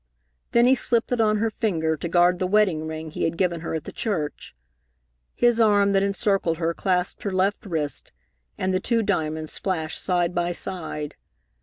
Then he slipped it on her finger to guard the wedding ring he had given her at the church. His arm that encircled her clasped her left wrist, and the two diamonds flashed side by side.